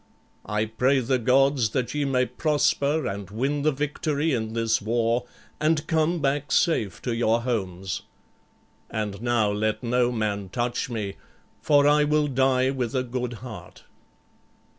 I pray the gods that ye may prosper and win the victory in this war and come back safe to your homes. And now let no man touch me, for I will die with a good heart."